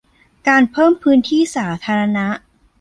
การเพิ่มพื้นที่สาธารณะ